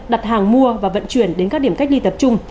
đặt hàng mua và vận chuyển đến các điểm cách ly tập trung